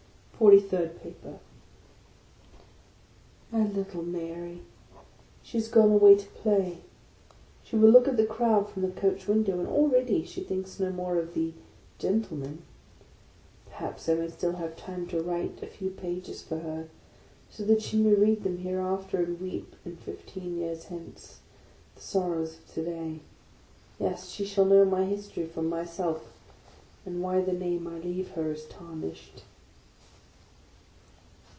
FORTY THIRD PAPER MY little Mary. She is gone away to play ; she will look at the crowd from the coach window, and already she thinks no more of the " Gentleman." Perhaps I may still h. ive time to write a few pages for her, so that she may read them hereafter, and weep, in fifteen years hence, the sorrows of to day. Yes, she shall know my history from myself, and why the name I leave her is tarnished.